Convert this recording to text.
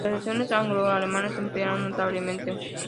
Las relaciones anglo-alemanas empeoraron notablemente.